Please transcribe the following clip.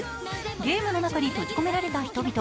ゲームの中に閉じ込められた人々。